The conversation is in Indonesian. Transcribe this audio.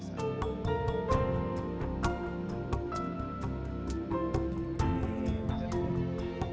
kepala pertanian tabanan